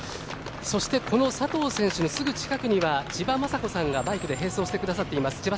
そしてこの佐藤選手のすぐ近くには千葉真子さんがバイクで並走してくださっています。